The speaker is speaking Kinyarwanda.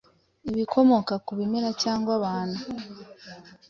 ibikomoka ku bimera, cyangwa abantu